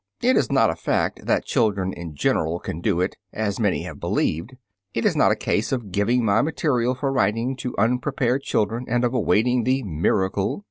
It is not a fact that children in general can do it, as many have believed. It is not a case of giving my material for writing to unprepared children and of awaiting the "miracle."